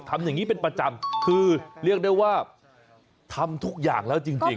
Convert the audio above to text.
ทำอย่างนี้เป็นประจำคือเรียกได้ว่าทำทุกอย่างแล้วจริง